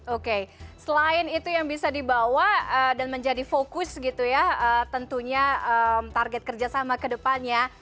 oke selain itu yang bisa dibawa dan menjadi fokus gitu ya tentunya target kerjasama ke depannya